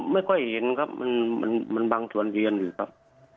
ไม่ค่อยเห็นครับมันบางส่วนเยือนอยู่ครับ